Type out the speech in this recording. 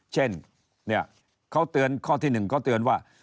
เช่นเนี่ยเขาเตือนข้อที่๑ก็เตือนว่า